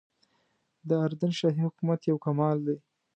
د اردن شاهي حکومت یو کمال دی.